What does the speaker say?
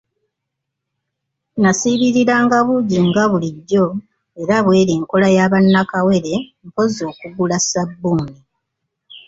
Nasiibiriranga buugi nga bulijjo era bw'eri nkola ya ba nnakawere mpozzi okugula ssabbuuni.